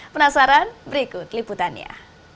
penasaran berikut liputannya